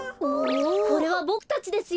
これはボクたちですよ。